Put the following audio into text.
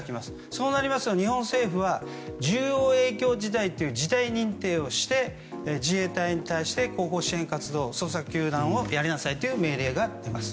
そうなりますと日本政府は重要影響事態という事態認定をして自衛隊に対して後方支援活動、捜索・救難をやりなさいという命令が出ます。